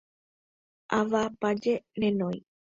Avapaje renói.